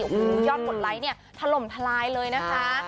โอ้โหยอดกดไลค์เนี่ยถล่มทลายเลยนะคะ